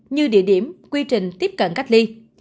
như địa điểm quy trình tiếp cận cách ly